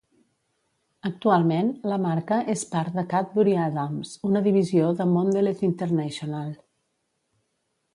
Actualment la marca és part de Cadbury Adams, una divisió de Mondelez International.